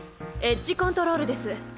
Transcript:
エッジコントロールです。